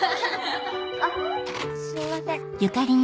あっすみません。